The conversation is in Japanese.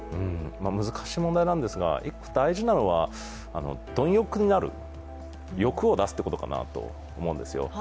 難しい問題なんですが、大事なのは、貪欲になる、欲を出すということかなと思うんですよ。